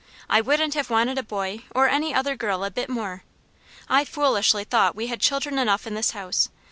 I wouldn't have wanted a boy, or any other girl a bit more. I foolishly thought we had children enough in this house.